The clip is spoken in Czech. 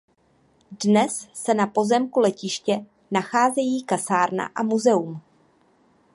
Dnes se na pozemku letiště nacházejí kasárna a muzeum.